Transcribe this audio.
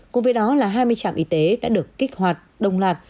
cùng với đó là hai mươi trạm y tế đã được kích hoạt đồng lạt